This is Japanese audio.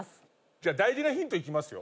じゃあ大事なヒントいきますよ。